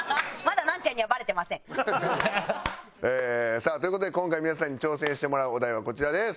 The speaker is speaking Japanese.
さあという事で今回皆さんに挑戦してもらうお題はこちらです。